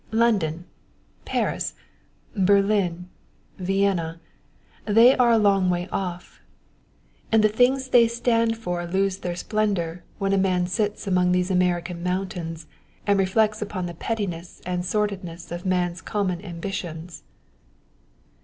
London, Paris, Berlin, Vienna they are a long way off, and the things they stand for lose their splendor when a man sits among these American mountains and reflects upon the pettiness and sordidness of man's common ambitions."